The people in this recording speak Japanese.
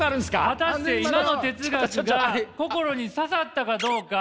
果たして今の哲学が心に刺さったかどうか？